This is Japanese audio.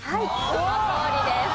そのとおりです。